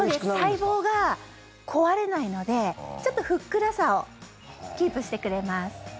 細胞が壊れないのでちょっとふっくらさをキープしてくれます。